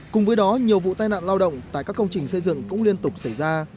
cùng với đó nhiều vụ tai nạn lao động tại các công trình xây dựng cũng liên tục xảy ra